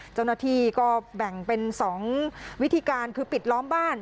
เจ้าหน้าที่ก็แบ่งเป็น๒วิธีการคือปิดล้อมบ้าน